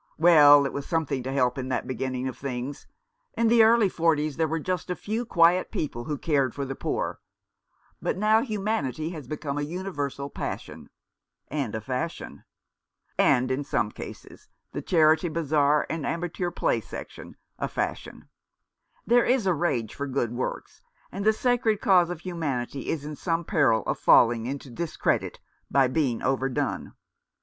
Well, it was something to help in that beginning of things. In the early forties there were just a few quiet people who cared for the poor ; but now humanity has become a universal passion " "And a fashion." "And in some cases — the Charity Bazaar and amateur play section — a fashion. There is a rage for good works, and the sacred cause of humanity is in some peril of falling into discredit by being overdone.